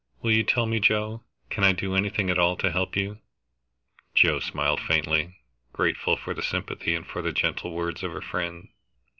Will you tell me, Joe? Can I do anything at all to help you?" Joe smiled faintly, grateful for the sympathy and for the gentle words of her friend.